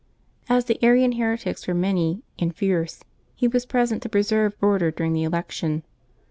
As the Arian heretics were many and fierce, he was present to preserve order during the election.